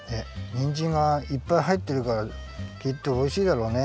にんじんがいっぱいはいってるからきっとおいしいだろうね。